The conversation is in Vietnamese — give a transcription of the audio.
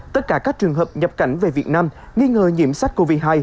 tất cả các trường hợp nhập cảnh về việt nam nghi ngờ nhiễm sắc covid một mươi chín